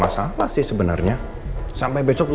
serius nih ternyata ada cukup